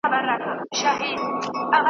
بلبل سمدستي را ووت په هوا سو ,